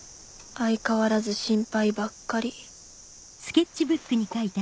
相変わらず心配ばっかり。